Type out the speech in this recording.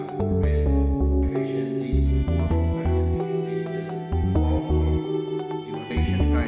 dan ketiga kita juga harus mengakui